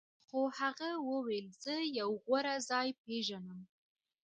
خو هغه وویل زه یو غوره ځای پیژنم